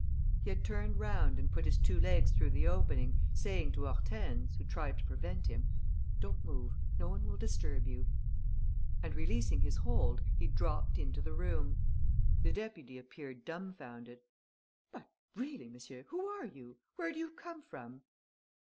He had turned round and put his two legs through the opening, saying to Hortense, who tried to prevent him: "Don't move.... No one will disturb you." And, releasing his hold, he dropped into the room. The deputy appeared dumfounded: "But, really, monsieur, who are you? Where do you come from?"